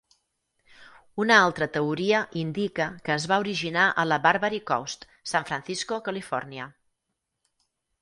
Una altra teoria indica que es va originar a la Barbary Coast, San Francisco, Califòrnia.